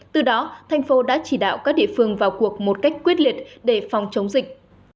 từ đó thành phố đã chỉ đạo các địa phương vào cuộc một cách quyết liệt để phòng chống dịch